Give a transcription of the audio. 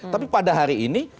tapi pada hari ini